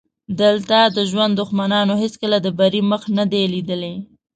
دلته د ژوند دښمنانو هېڅکله د بري مخ نه دی لیدلی.